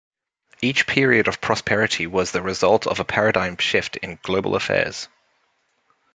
Each period of prosperity was the result of a paradigm shift in global affairs.